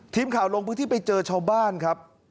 ทีมข่าวลงพื้นที่ไปเจอชาวบ้านครับ